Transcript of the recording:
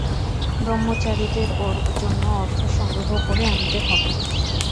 ব্রহ্মচারীদের ওর জন্য অর্থসংগ্রহ করে আনতে হবে।